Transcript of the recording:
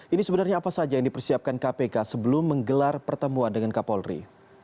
ini sebenarnya apa saja yang dipersiapkan kpk sebelum menggelar pertemuan dengan kapolri